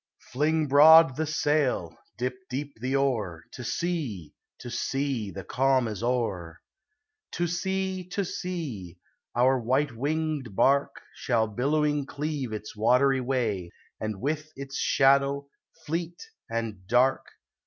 Fling broad the sail, dip deep the oar: To sea ! to sea ! the calm is o'er. THE SEA. 411 To sea', to sea! our white winged bark Shall billowing cleave its watery way. And with its shadow, fleet and dark.